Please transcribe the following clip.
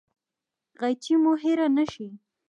غیچي مو هیره نه شي